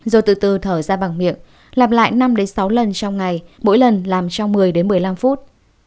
rồi từ từ thở ra bằng miệng lặp lại năm sáu lần trong ngày mỗi lần làm trong một mươi đến một mươi năm phút